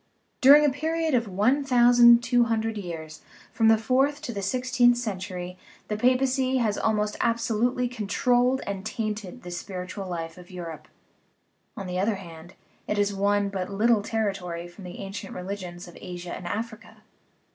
During a period of one thousand two hundred years, from the fourth to the sixteenth cen tury, the papacy has almost absolutely controlled and tainted the spiritual life of Europe ; on the other hand, it has won but little territory from the ancient religions of Asia and Africa.